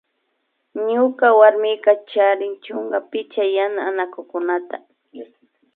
Ñuka warmika charin chunka picha yana anakukunata